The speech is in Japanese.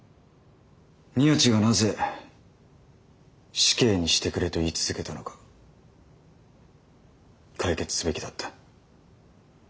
宮地がなぜ死刑にしてくれと言い続けたのか解決すべきだった。